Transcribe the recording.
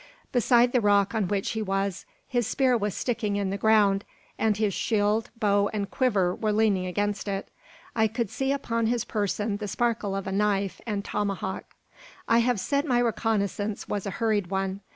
Beside the rock on which he was, his spear was sticking in the ground, and his shield, bow, and quiver were leaning against it. I could see upon his person the sparkle of a knife and tomahawk. I have said my reconnaissance was a hurried one.